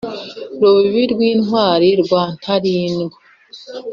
Rubibi rw’intwali rwa Ntalindwa